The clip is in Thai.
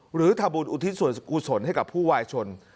หรือทำบุญอุทิศวรสุขุดสนให้กับผู้วายชน